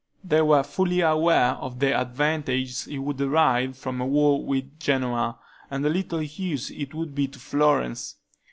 They were fully aware of the advantages he would derive from a war with Genoa, and the little use it would be to Florence.